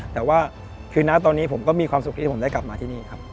แต่ว่าคือนะตอนนี้ผมก็มีความสุขที่ผมได้กลับมาที่นี่ครับ